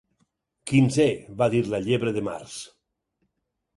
"Quinzè" va dir la llebre de març.